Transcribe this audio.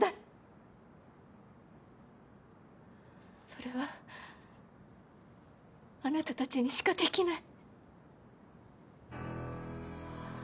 それはあなたたちにしかできない。